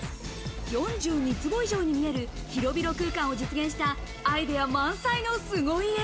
４２坪以上に見える、広々空間を実現したアイデア満載の凄家。